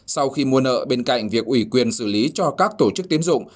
sau khi mua nợ bên cạnh việc ủy quyền xử lý cho các tổ chức tiến dụng